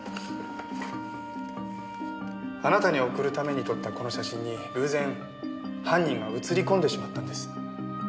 あなたに送るために撮ったこの写真に偶然犯人が写り込んでしまったんです。